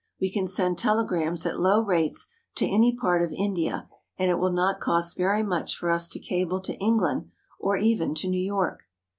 We can send telegrams at low rates to any part of India, and it will not cost very much for us to cable to England, or even to New York.